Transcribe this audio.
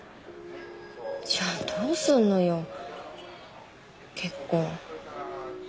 じゃあどうするのよ結婚。